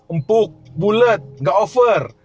empuk bulet gak over